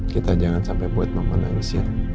kita jangan sampai buat mama nangis ya